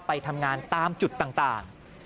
ไปทำงานตามจุดต่าง